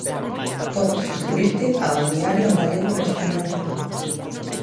Podes subscribirte ao diario en galego nesta ligazón.